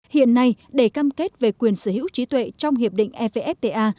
hiện nay để cam kết về quyền sở hữu trí tuệ trong hiệp định evfta